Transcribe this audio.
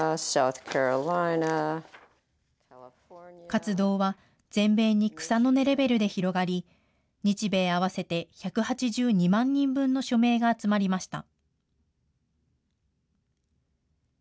活動は全米に草の根レベルで広がり、日米合わせて１８２万人分の署名が集まりました。